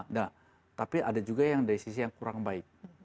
nah tapi ada juga yang dari sisi yang kurang baik